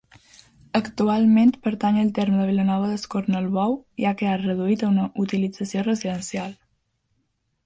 Actualment pertany al terme de Vilanova d'Escornalbou i ha quedat reduït a una utilització residencial.